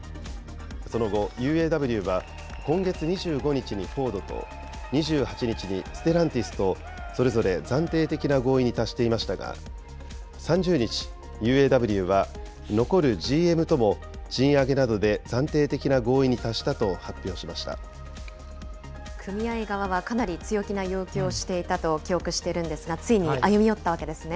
その後、ＵＡＷは今月２５日にフォードと、２８日にステランティスとそれぞれ暫定的な合意に達していましたが、３０日、ＵＡＷは残るＧＭとも賃上げなどで暫定的組合側はかなり強気な要求をしていたと記憶しているんですが、ついに歩み寄ったわけですね。